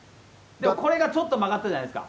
これがちょっと曲がったじゃないですか。